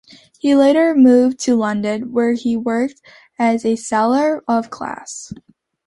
He later moved to London where he worked as a seller of glass.